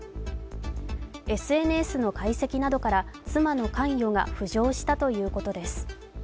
ＳＮＳの解析などから妻の関与が浮上したということです。